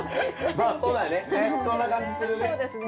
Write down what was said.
まあそうだね